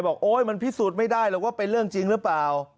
โอ๊ยมันพิสูจน์ไม่ได้หรอกว่าเป็นเรื่องจริงหรือเปล่า